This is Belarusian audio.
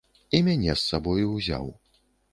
І мяне з сабою ўзяў.